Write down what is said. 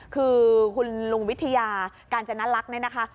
คือคุณลุงวิทยากาญจนัดลักษณ์นะค่ะ